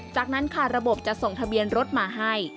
จากนั้นค่ะระบบจะส่งทะเบียนรถมาให้